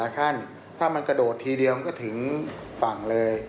ท่านถ้ามันกระโดดทีเดียวมันก็ถึงฝั่งเลย